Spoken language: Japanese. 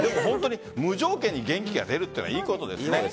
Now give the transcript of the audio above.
無条件に元気が出るというのはいいことですよね。